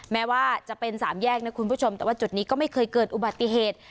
แม้ว่าจะเป็นสามแยกนะคุณผู้ชมแต่ว่าจุดนี้ก็ไม่เคยเกิดอุบัติเหตุ